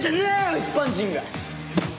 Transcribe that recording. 一般人が！